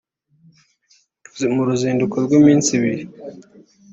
mu ruzinduko rw’iminsi ibiri